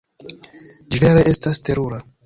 Ĝi vere estas terura.